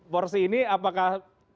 porsi ini apakah